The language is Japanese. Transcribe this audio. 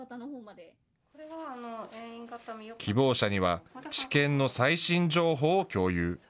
希望者には治験の最新情報を共有。